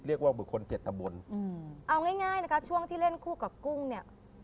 เอาง่ายนะคะช่วงที่เล่นคู่กับกุ้งเนี่ย